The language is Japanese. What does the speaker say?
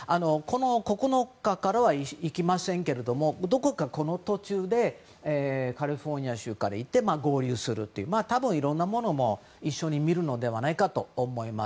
９日からは行きませんけどもどこか、この途中でカリフォルニア州から行って合流するという多分いろんなものも一緒に見るのではないかと思います。